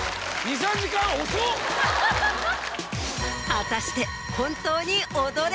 果たして。